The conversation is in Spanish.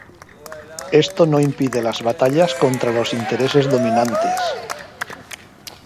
Esto no impide las batallas contra los intereses dominantes.